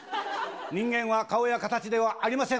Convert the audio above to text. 人間は顔や形ではありません。